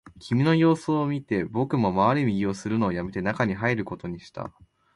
君の様子を見て、僕も回れ右をするのをやめて、中に入ることにした